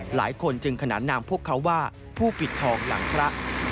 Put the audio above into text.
หลายคนจึงขนานนามพวกเขาว่าผู้ปิดทองหลังพระ